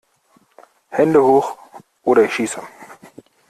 Hände hoch oder ich schieße!